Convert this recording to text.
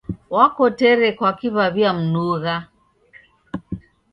Wakotere kwaki w'aw'iamnugha.